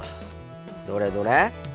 どれどれ？